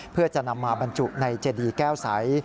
เพื่อจะนำมาบรรจุในเจดีแก้วใส